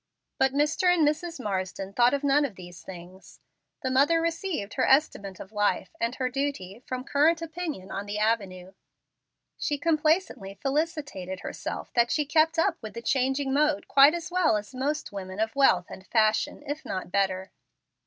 But Mr. and Mrs. Marsden thought of none of these things. The mother received her estimate of life, and her duty, from current opinion on the avenue. She complacently felicitated herself that she kept up with the changing mode quite as well as most women of wealth and fashion, if not better.